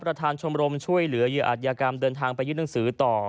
ประธานชมรมช่วยเหลืออาจยากรรมเดินทางไปยื่นหนังสือต่อ